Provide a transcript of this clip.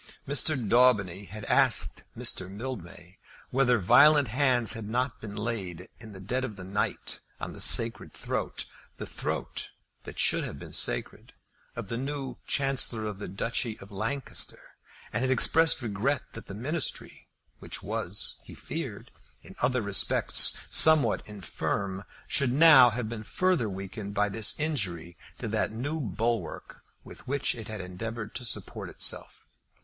Mr. Daubeny had asked Mr. Mildmay whether violent hands had not been laid in the dead of night on the sacred throat, the throat that should have been sacred, of the new Chancellor of the Duchy of Lancaster; and had expressed regret that the Ministry, which was, he feared, in other respects somewhat infirm, should now have been further weakened by this injury to that new bulwark with which it had endeavoured to support itself.